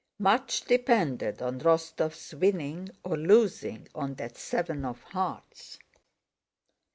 Much depended on Rostóv's winning or losing on that seven of hearts.